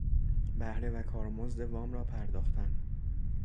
بهره و کارمزد وام را پرداختن